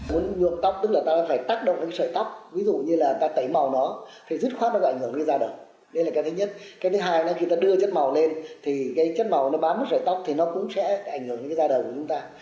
muốn nhuộm tóc tức là ta phải tác động đến sợi tóc ví dụ như là ta tẩy màu nó thì dứt khoát nó sẽ ảnh hưởng đến da đầu đây là cái thứ nhất cái thứ hai là khi ta đưa chất màu lên thì cái chất màu nó bám với sợi tóc thì nó cũng sẽ ảnh hưởng đến da đầu của chúng ta